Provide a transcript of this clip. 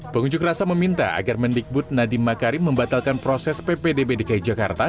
pengunjuk rasa meminta agar mendikbud nadiem makarim membatalkan proses ppdb dki jakarta